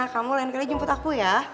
kamu lain kali jemput aku ya